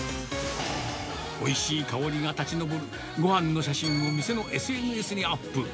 おいしい香りが立ち上るごはんの写真を店のＳＮＳにアップ。